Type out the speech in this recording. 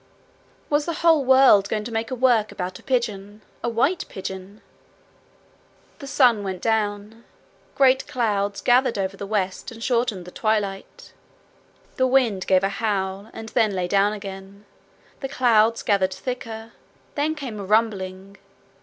Was the whole world going to make a work about a pigeon a white pigeon? The sun went down. Great clouds gathered over the west, and shortened the twilight. The wind gave a howl, and then lay down again. The clouds gathered thicker. Then came a rumbling.